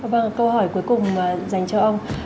vâng câu hỏi cuối cùng dành cho ông